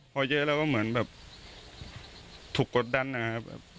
พอเยอะแล้วก็เหมือนแบบถูกกดดันนะครับ